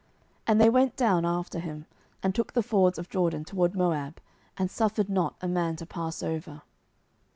And they went down after him, and took the fords of Jordan toward Moab, and suffered not a man to pass over.